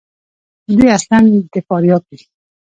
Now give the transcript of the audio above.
دوی اصلاُ د فاریاب دي.